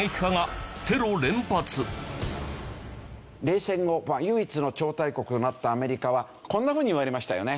冷戦後唯一の超大国となったアメリカはこんなふうにいわれましたよね。